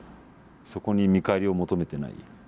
そこに見返りを求めてない。